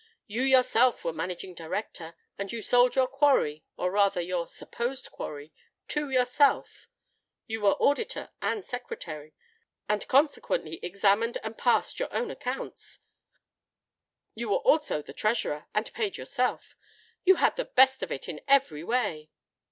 "You yourself were Managing Director, and you sold your quarry—or rather your supposed quarry—to yourself;—you were Auditor and Secretary, and consequently examined and passed your own accounts;—you were also the Treasurer, and paid yourself. You had the best of it in every way."